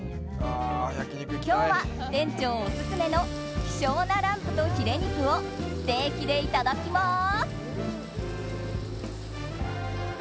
今日は、店長オススメの希少なランプとヒレ肉をステーキでいただきます。